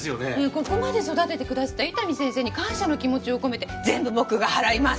ここまで育ててくださった伊丹先生に感謝の気持ちを込めて全部僕が払います！